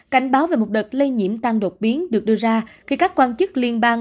cảnh báo về một đợt lây nhiễm tăng đột biến được đưa ra khi các quan chức liên bang